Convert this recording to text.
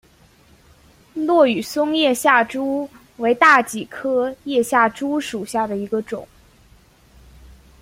落羽松叶下珠为大戟科叶下珠属下的一个种。